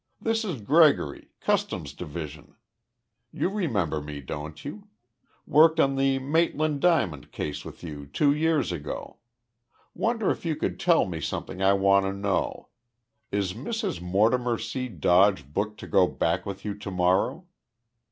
This is Gregory, Customs Division. You remember me, don't you? Worked on the Maitland diamond case with you two years ago.... Wonder if you could tell me something I want to know is Mrs. Mortimer C. Dodge booked to go back with you to morrow?...